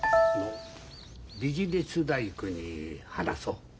ビジネスライクに話そう。